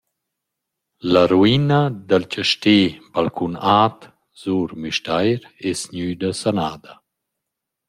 La ruina dal Chastè Balcun At sur Müstair es gnüda sanada.